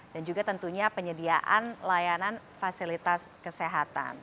dan juga tentunya penyediaan layanan fasilitas kesehatan